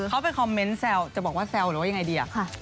เขาไปคอมเมนต์แซวจะบอกว่าแซวหรือว่ายังไงดี